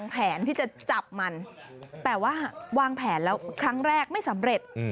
แปลว่าวางแผนแล้วคลั้งแรกไม่สำเร็จ